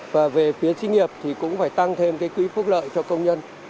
và về phía xí nghiệp thì cũng phải tăng thêm quỹ phúc lợi cho công nhân